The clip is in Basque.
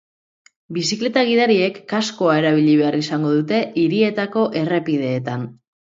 Bizikleta gidariek kaskoa erabili behar izango dute hiriarteko errepideetan.